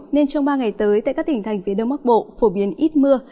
nên trong ba ngày tới tại các tỉnh thành phía đông bắc bộ phổ biến ít mưa